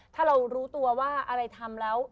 ถ้าเรารู้ตัวว่าอะไรทำแล้ว